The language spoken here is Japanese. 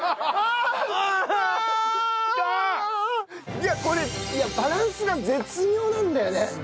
いやこれバランスが絶妙なんだよね。